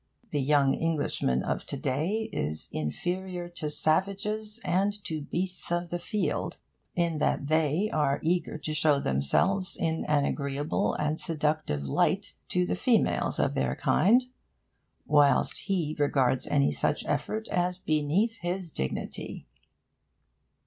The young Englishman of to day is inferior to savages and to beasts of the field in that they are eager to show themselves in an agreeable and seductive light to the females of their kind, whilst he regards any such effort as beneath his dignity.